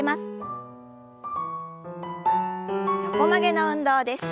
横曲げの運動です。